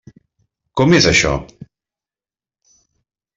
Com és, això?